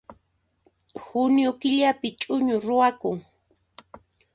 Junio killapi ch'uñu ruwakun